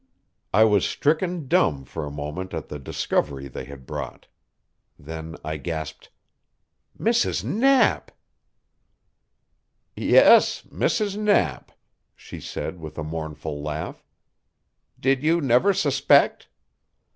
I was stricken dumb for a moment at the discovery they had brought. Then I gasped: "Mrs. Knapp!" "Yes, Mrs. Knapp," she said with a mournful laugh. "Did you never suspect?"